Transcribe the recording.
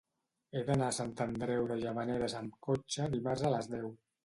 He d'anar a Sant Andreu de Llavaneres amb cotxe dimarts a les deu.